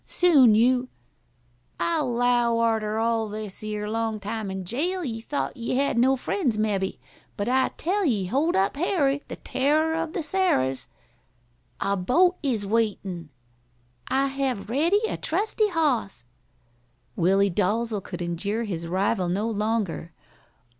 Soon you " "I 'low arter all this here long time in jail ye thought ye had no friends mebbe, but I tell ye Hold up Harry, the Terrar of the Sarahs " "A boat is waitin' " "I have ready a trusty horse " Willie Dalzel could endure his rival no longer.